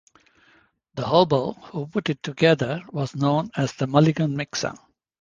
The hobo who put it together was known as the mulligan mixer.